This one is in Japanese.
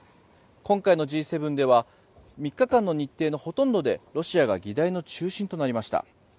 今回のＧ７では３日間の日程のほとんどでロシアが議題の中心となりました。